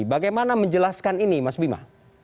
bagaimana menjelaskan ini mas bima